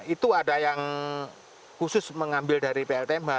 itu ada yang khusus mengambil dari pltmh